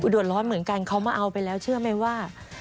เดือดร้อนเหมือนกันเขามาเอาไปแล้วเชื่อไหมว่า